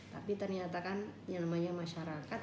tapi ternyata kan yang namanya masyarakat